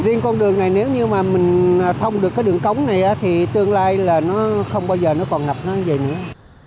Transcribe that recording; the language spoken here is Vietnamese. riêng con đường này nếu như mà mình thông được cái đường cống này thì tương lai là nó không bao giờ nó còn ngập nó như vậy nữa